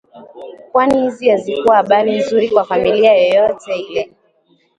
kwani hizi hazikuwa habari nzuri kwa familia yeyote ile